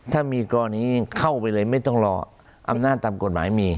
ถ้ามีกรณีเข้าไปเลยไม่ต้องรออำนาจตามกฎหมายมี